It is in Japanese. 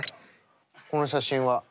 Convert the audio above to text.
この写真は？